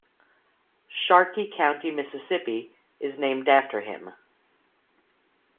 Sharkey County, Mississippi is named after him.